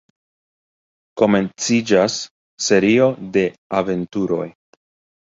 Komenciĝas serio de aventuroj.